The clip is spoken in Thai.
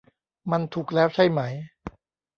มันถูกแล้วใช่ไหม